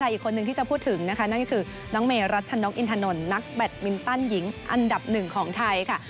อีกคนนึงที่จะพูดถึงนะคะนั่นก็คือน้องเมรัชนกอินทนนท์นักแบตมินตันหญิงอันดับหนึ่งของไทยค่ะ